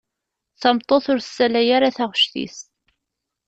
Tameṭṭut ur tessalay ara taɣect-is.